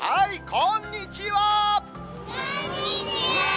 こんにちは。